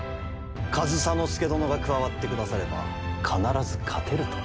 上総介殿が加わってくだされば必ず勝てると。